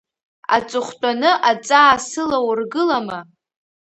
Аҵыхәтәаны аҵаа сылаургылама?